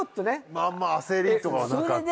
まぁまぁ焦りとかはなかった。